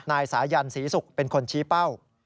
นายสายันศรีศุกร์เป็นคนชี้เป้า